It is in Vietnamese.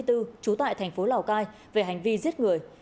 trú tại tp lào cai về hành vi giết người